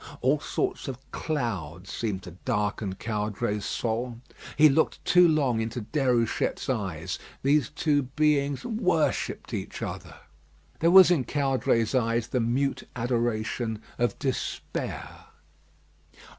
All sorts of clouds seemed to darken Caudray's soul. He looked too long into Déruchette's eyes. These two beings worshipped each other. There was in Caudray's eye the mute adoration of despair.